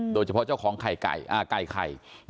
โดยเฉพาะเจ้าของไก่ไข่